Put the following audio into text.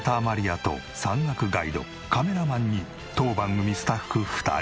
亜と山岳ガイドカメラマンに当番組スタッフ２人。